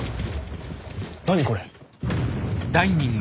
何これ？